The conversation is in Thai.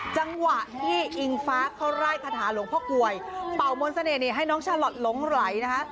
จังหวะที่อิงฟ้าเขาไล่คาถาหลวงพ่อกลวยเป่ามนต์เสน่หนี้ให้น้องชาลอทหลงไหลนะคะ